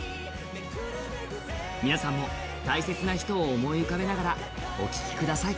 皆さんも大切な人を思い浮かべながらお聴きください。